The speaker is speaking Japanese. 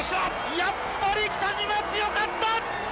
やっぱり北島、強かった！